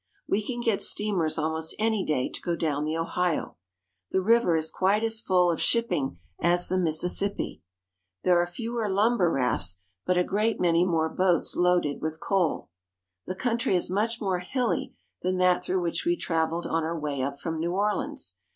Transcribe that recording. We can get steamers almost any day to go down the Ohio. The river is quite as full of shipping as the Mis 224 PITTSBURG. sissippi. There are fewer lumber rafts, but a great many more boats loaded with coal. The country is much more hilly than that through which we traveled on our way up from New Orleans.